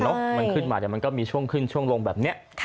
มันขึ้นมาแต่มันก็มีช่วงขึ้นช่วงลงแบบนี้